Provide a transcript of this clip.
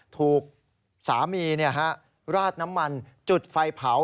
ถูกสามีราดน้ำมันจุดไฟเผา